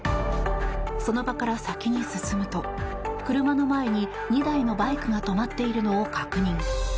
その場から先に進むと車の前に２台のバイクが止まっているのを確認。